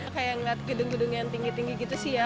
kayak ngeliat gedung gedung yang tinggi tinggi gitu sih ya